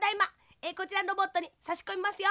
えこちらのロボットにさしこみますよ。